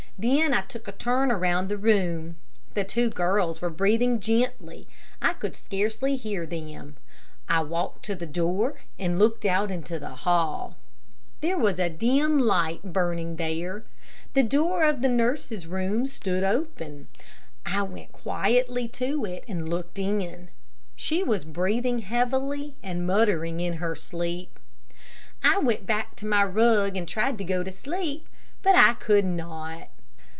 Then I took a turn around the room. The two girls were breathing gently; I could scarcely hear them. I walked to the door and looked out into the hall. There was a dim light burning there. The door of the nurse's room stood open. I went quietly to it and looked in. She was breathing heavily and muttering in her sleep. I went back to my rug and tried to go to sleep, but I could not.